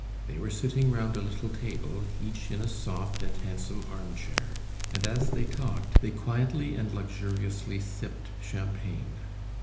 They were sitting round a little table, each in a soft and handsome arm chair, and as they talked, they quietly and luxuriously sipped champagne.